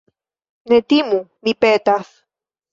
Ne timu, mi petas.